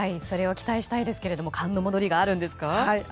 それは期待したいですけど寒の戻りがあるんですか？